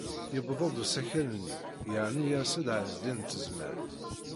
Yebded usakal-nni yernu yers-d Ɛezdin n Tezmalt.